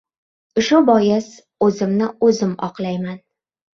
Shu bois, o‘zimni-o‘zim oqlayman: